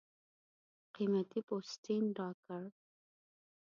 قېمتي پوستین راکړ.